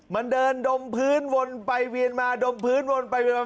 มันเดินดมพื้นวนไปเวียนมาดมพื้นวนไปเวียนมา